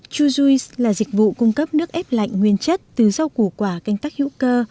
jujui là dịch vụ cung cấp nước ép lạnh nguyên chất từ rau củ quả canh tắc hữu cơ